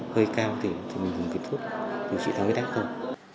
hơi cao thì mình dùng cái thuốc điều trị khí huyết ác thôi